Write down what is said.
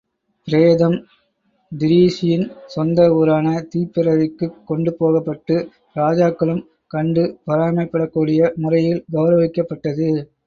பிரேதம் டிரீஸியின் சொந்த ஊரான திப்பெரரிக்குக் கொண்டு போகப்பட்டு, ராஜாக்களும் கண்டு பொறாமைப்படக்கூடிய முறையில் கெளரவிக்கப்பட்டது.